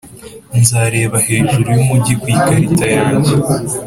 nzareba hejuru yumujyi ku ikarita yanjye.